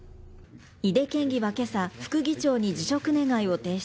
井手県議は今朝副議長に辞職願を提出。